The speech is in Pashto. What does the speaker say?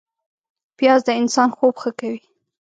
پیاز د انسان خوب ښه کوي